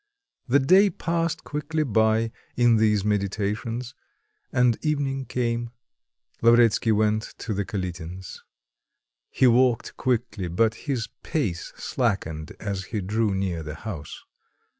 The day passed quickly by in these meditations; and evening came. Lavretsky went to the Kalitins'. He walked quickly, but his pace slackened as he drew near the house.